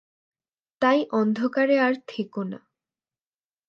তাই অন্ধকারে আর থেকো না।